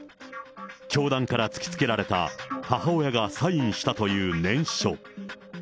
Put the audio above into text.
教団から突きつけられた母親がサインしたという念書。